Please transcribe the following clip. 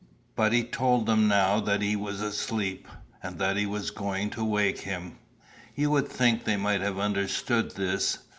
But he told them now that he was asleep, and that he was going to wake him. You would think they might have understood this.